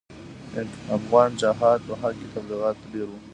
د افغان جهاد په حق کې تبلیغات ډېر وو.